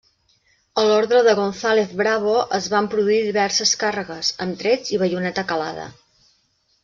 A l'ordre de González Bravo es van produir diverses càrregues, amb trets i baioneta calada.